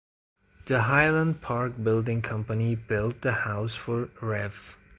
The Highland Park Building Company built the house for Rev.